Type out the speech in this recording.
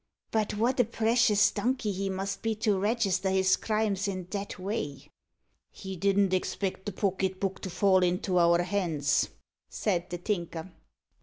But what a precious donkey he must be to register his crimes i' that way." "He didn't expect the pocket book to fall into our hands," said the Tinker.